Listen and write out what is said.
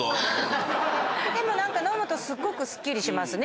でも何か飲むとすごくすっきりしますね。